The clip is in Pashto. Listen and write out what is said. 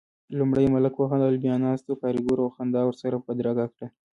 لومړی ملک وخندل، بيا ناستو کاريګرو خندا ورسره بدرګه کړه.